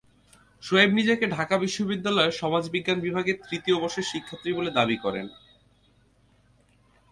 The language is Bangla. শোয়েব নিজেকে ঢাকা বিশ্ববিদ্যালয়ের সমাজবিজ্ঞান বিভাগের তৃতীয় বর্ষের শিক্ষার্থী বলে দাবি করেন।